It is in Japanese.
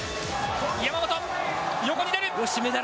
山本、横に出る！